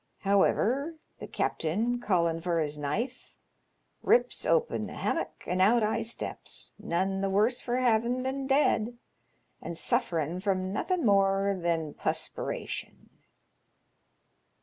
However, the capt'n, callin' for his knife, rips open the hammock, an' out I steps, none th' worse for bavin' been dead, and sufferin' from nothin' more than pusperation."